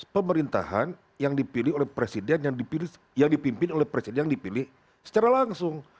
pemerintahan yang dipilih oleh presiden yang dipimpin oleh presiden yang dipilih secara langsung